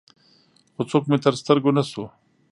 خو څوک مې تر سترګو نه شو.